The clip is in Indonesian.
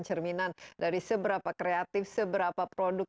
saya merasa sedikit nggak break